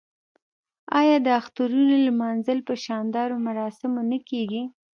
آیا د اخترونو لمانځل په شاندارو مراسمو نه کیږي؟